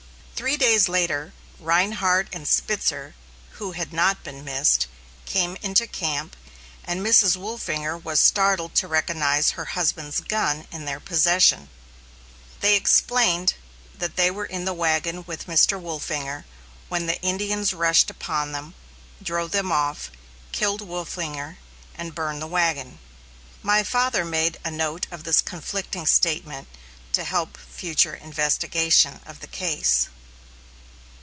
Three days later Rhinehart and Spitzer, who had not been missed, came into camp, and Mrs. Wolfinger was startled to recognize her husband's gun in their possession. They explained that they were in the wagon with Mr. Wolfinger when the Indians rushed upon them, drove them off, killed Wolfinger and burned the wagon. My father made a note of this conflicting statement to help future investigation of the case.